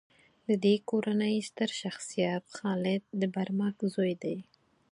د دې کورنۍ ستر شخصیت خالد د برمک زوی دی.